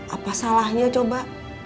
apa salahnya coba